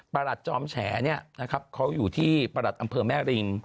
ประหลัดจอมแฉเนี่ยนะครับเขาอยู่ที่อำเภอแม่ฬิน